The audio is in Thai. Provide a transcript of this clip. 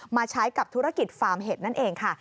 มาใช้กับธุรกิจฟาร์มเห็ดนั่นเองค่ะ